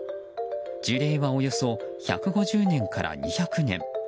樹齢はおよそ１５０年から２００年。